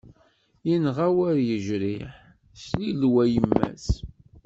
Yenɣa wer yejriḥ, slilew a yemma-s.